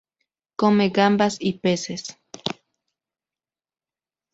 Come gambas y peces.